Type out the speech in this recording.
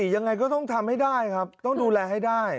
ยังไงก็ต้องทำให้ได้ครับต้องดูแลให้ได้